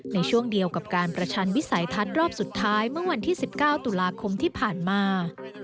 ในช่วงเดียวกับการประชันวิสัยทัศน์รอบสุดท้ายเมื่อวันที่๑๙ตุลาคมที่ผ่านมา